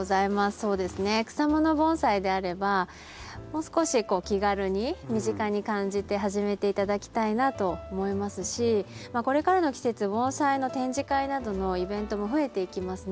そうですね草もの盆栽であればもう少し気軽に身近に感じて始めて頂きたいなと思いますしこれからの季節盆栽の展示会などのイベントも増えていきますね。